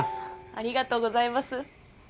ありがとうございます。